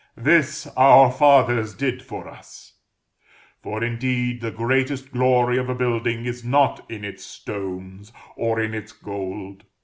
this our fathers did for us." For, indeed, the greatest glory of a building is not in its stones, or in its gold.